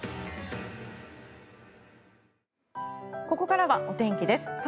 ここからはお天気です。